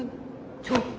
ちょっと！